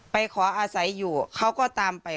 ขออาศัยอยู่เขาก็ตามไป